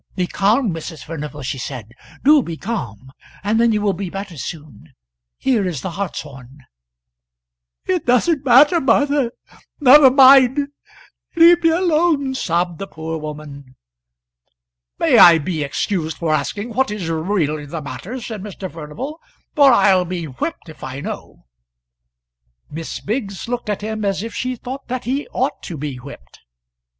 "Be calm, Mrs. Furnival," she said; "do be calm, and then you will be better soon. Here is the hartshorn." "It doesn't matter, Martha: never mind: leave me alone," sobbed the poor woman. "May I be excused for asking what is really the matter?" said Mr. Furnival, "for I'll be whipped if I know." Miss Biggs looked at him as if she thought that he ought to be whipped.